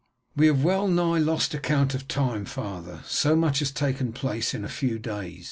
"We have well nigh lost account of time, father, so much has taken place in a few days.